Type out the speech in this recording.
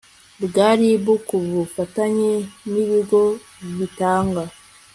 bwa RIB ku bufatanye n ibigo bitanga